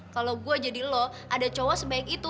kalau gue jadi lo ada cowok sebaik itu